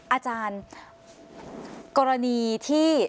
อาจารย์กรณีที่